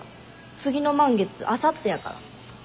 次の満月あさってやから。